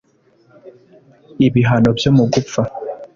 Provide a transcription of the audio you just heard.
ibihano byo mu gupfa